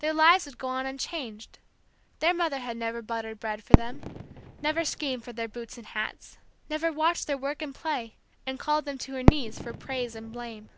Their lives would go on unchanged, their mother had never buttered bread for them, never schemed for their boots and hats, never watched their work and play, and called them to her knees for praise and blame.